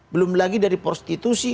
belum lagi dari prostitusi